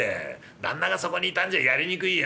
旦那がそこにいたんじゃやりにくいよ。